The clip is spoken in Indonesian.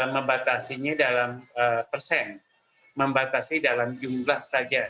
membatasinya dalam persen membatasi dalam jumlah saja